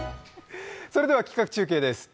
それでは企画中継です。